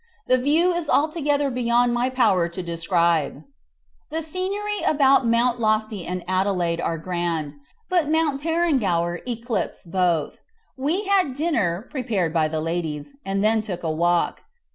The view is altogether beyond my power to describe. The scenery about Mount Lofty and Adelaide are grand, but Mount Tarrangower eclipses both. We had dinner, prepared by the ladies, and then took a walk.